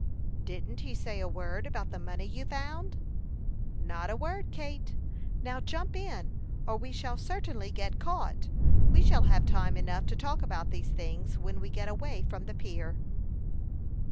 "Didn't he say a word about the money you found?" "Not a word, Kate. Now, jump in, or we shall certainly get caught. We shall have time enough to talk about these things when we get away from the pier."